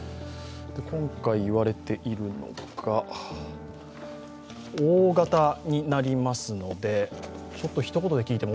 今回言われているのが、大型になりますので、一言で聞いても